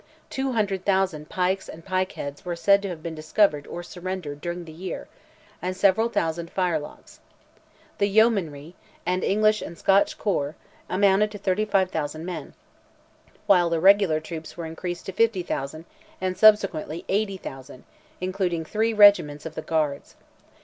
Two hundred thousand pikes and pike heads were said to have been discovered or surrendered during the year, and several thousand firelocks. The yeomanry, and English and Scotch corps amounted to 35,000 men, while the regular troops were increased to 50,000 and subsequently to 80,000, including three regiments of the Guards.